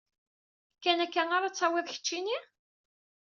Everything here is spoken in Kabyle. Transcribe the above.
Kan akka ara tt-tawiḍ, keččini?